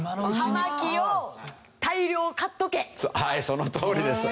はいそのとおりです。